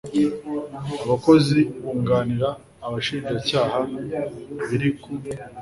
Abakozi bunganira Abashinjacyaha biri ku